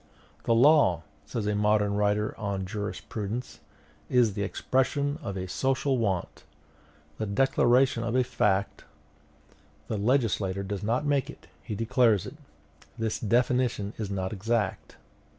"The law," says a modern writer on jurisprudence, "is the expression of a social want, the declaration of a fact: the legislator does not make it, he declares it. 'This definition is not exact.